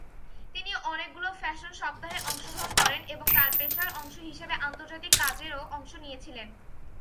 তিনি অনেকগুলো ফ্যাশন সপ্তাহে অংশগ্রহণ করেন এবং তার পেশার অংশ হিসাবে আন্তর্জাতিক কাজেও অংশ নিয়েছিলেন।